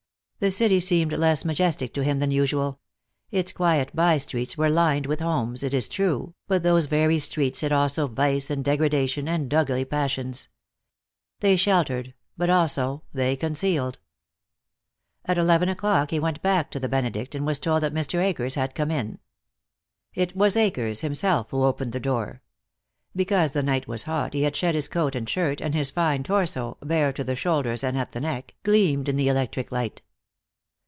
The city seemed less majestic to him than usual; its quiet by streets were lined with homes, it is true, but those very streets hid also vice and degradation, and ugly passions. They sheltered, but also they concealed. At eleven o'clock he went back to the Benedict, and was told that Mr. Akers had come in. It was Akers himself who opened the door. Because the night was hot he had shed coat and shirt, and his fine torso, bare to the shoulders and at the neck, gleamed in the electric light.